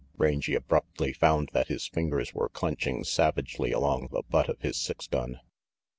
Rangy abruptly found that his fingers were clenching savagely along the butt of his six gun.